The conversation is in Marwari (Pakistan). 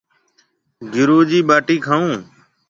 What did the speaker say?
گُرو جِي ٻاٽِي کائون۔